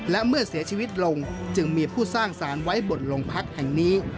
และเมื่อเสียชีวิตลงจึงมีผู้สร้างสารไว้บนโรงพักแห่งนี้